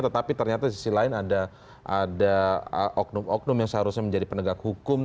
tetapi ternyata di sisi lain ada oknum oknum yang seharusnya menjadi penegak hukum